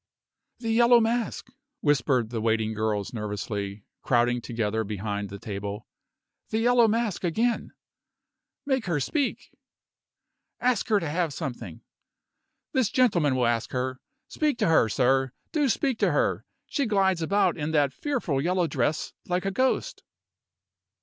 "The Yellow Mask!" whispered the waiting girls nervously, crowding together behind the table. "The Yellow Mask again!" "Make her speak!" "Ask her to have something!" "This gentleman will ask her. Speak to her, sir. Do speak to her! She glides about in that fearful yellow dress like a ghost."